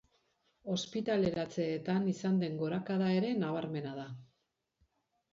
Ospitaleratzeetan izan den gorakada ere nabarmena da.